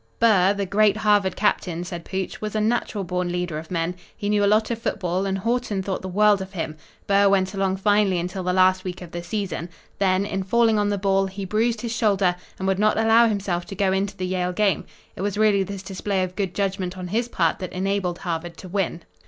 "Burr, the great Harvard captain," said Pooch, "was a natural born leader of men. He knew a lot of football and Haughton thought the world of him. Burr went along finely until the last week of the season. Then, in falling on the ball, he bruised his shoulder, and would not allow himself to go into the Yale game. It was really this display of good judgment on his part that enabled Harvard to win.